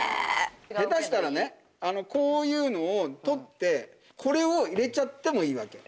下手したらねこういうのを取ってこれを入れちゃってもいいわけ。